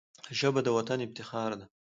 ژبه د وطن افتخار ده